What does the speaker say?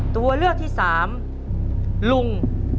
ตัวเลือกที่สามลุง